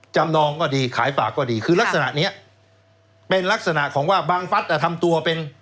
นองก็ดีขายปากก็ดีคือลักษณะเนี้ยเป็นลักษณะของว่าบังฟัสทำตัวเป็น